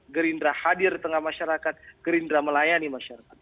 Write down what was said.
gerindra hadir di tengah masyarakat gerindra melayani masyarakat